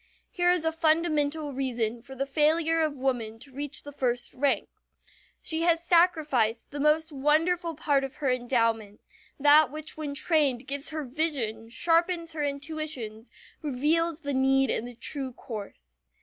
Here is a fundamental reason for the failure of woman to reach the first rank. She has sacrificed the most wonderful part of her endowment, that which when trained gives her vision, sharpens her intuitions, reveals the need and the true course.